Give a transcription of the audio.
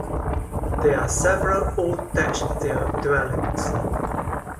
There are several old thatched dwellings.